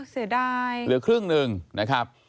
เสียดายเหลือครึ่งหนึ่งนะครับ